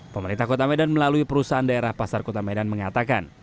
pemerintah kota medan melalui perusahaan daerah pasar kota medan mengatakan